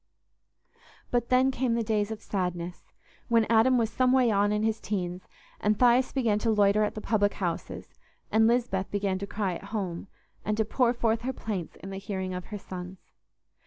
But then came the days of sadness, when Adam was someway on in his teens, and Thias began to loiter at the public houses, and Lisbeth began to cry at home, and to pour forth her plaints in the hearing of her sons.